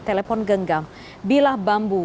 telepon genggam bilah bambu